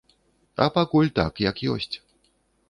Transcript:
А пакуль так, як ёсць.